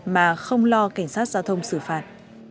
và không lo cảnh sát giao thông xử phạt